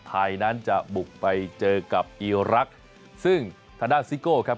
ไทยนั้นจะบุกไปเจอกับอีรักษ์ซึ่งทางด้านซิโก้ครับ